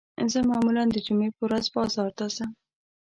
زه معمولاً د جمعې په ورځ بازار ته ځم